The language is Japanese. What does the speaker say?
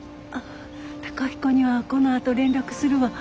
貴彦にはこのあと連絡するわ。